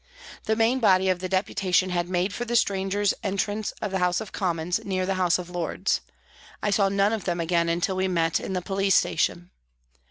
The main body of the Deputa tion had made for the strangers' entrance of the House of Commons, near the House of Lords. I saw none of them again until we met in the police station.